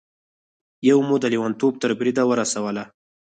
يوه مو د لېونتوب تر بريده ورسوله.